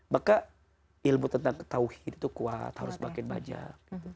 maka ilmu tentang tauhid itu kuat harus makin banyak